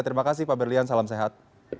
terima kasih pak berlian salam sehat